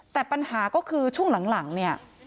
แต่ปัญหาก็คือช่วงหลังเนี่ย